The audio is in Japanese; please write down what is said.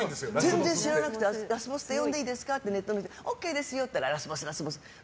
全然知らなくてラスボスって呼んでいいですかって言われてＯＫですよって言ったらラスボス、ラスボスって。